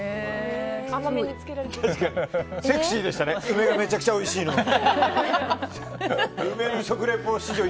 梅がめちゃくちゃおいしいのよ。